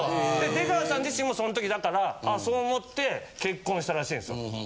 出川さん自身もその時そう思って結婚したらしいんですよ。